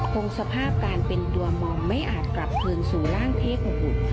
คงสภาพการเป็นตัวมอมไม่อาจกลับคืนสู่ร่างเทพบุตร